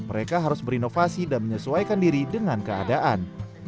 mereka harus berinovasi dan menyesuaikan diri dengan keadaan